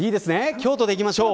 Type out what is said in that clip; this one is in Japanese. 京都でいきましょう。